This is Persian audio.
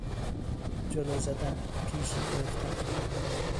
جلو زدن، پیشی گرفتن